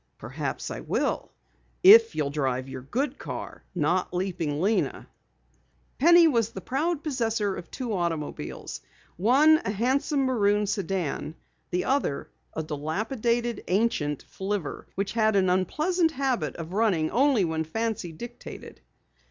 "Perhaps I will, if you'll drive your good car not Leaping Lena." Penny was the proud possessor of two automobiles, one a handsome maroon sedan, the other a dilapidated, ancient "flivver" which had an unpleasant habit of running only when fancy dictated.